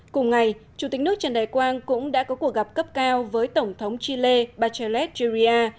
cùng ngày chủ tịch nước trần đại quang cũng đã có cuộc gặp cấp cao với tổng thống chile barchelles juria